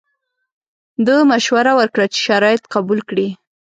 ده مشوره ورکړه چې شرایط قبول کړي.